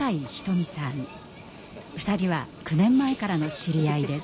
２人は９年前からの知り合いです。